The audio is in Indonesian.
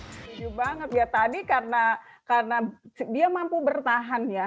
setuju banget ya tadi karena dia mampu bertahan ya